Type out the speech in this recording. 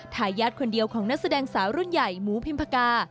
ทายาทคนเดียวของนักแสดงสาวรุ่นใหญ่หมูพิมพากา